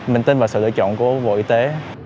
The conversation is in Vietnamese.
mình tin vào sự lựa chọn của bộ y tế